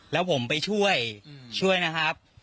แล้วผมไปช่วยช่วยนะครับ